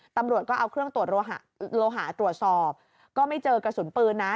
ตำรวจก็เอาเครื่องตรวจโลหะตรวจสอบก็ไม่เจอกระสุนปืนนะ